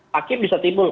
hakim bisa timbul